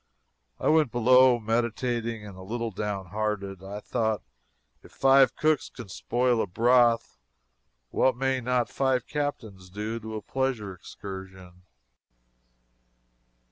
I went below meditating and a little downhearted. I thought, if five cooks can spoil a broth, what may not five captains do with a pleasure excursion.